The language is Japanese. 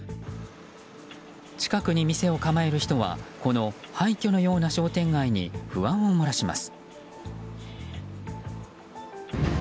近くに店を構える人はこの廃墟のような商店街に不安を漏らします。